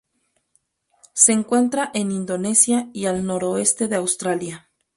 Se encuentran en Indonesia y al noroeste de Australia.